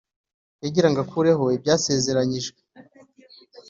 Yagirango akureho ibyasezeranyijwe